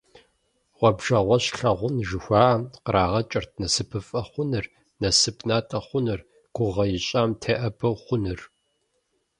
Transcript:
«Гъуэбжэгъуэщ лъагъун» жыхуаӏэм кърагъэкӏырт насыпыфӀэ хъуныр, насып натӀэ хъуныр, гугъэ ищӀам теӀэбэу хъуныр.